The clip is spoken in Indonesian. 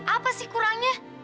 apa sih kurangnya